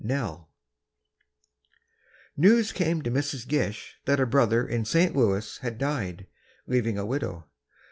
NELL News came to Mrs. Gish that a brother in St. Louis had died, leaving a widow.